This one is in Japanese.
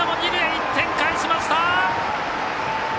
１点返しました！